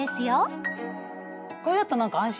これだとなんか安心。